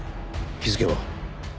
日付は？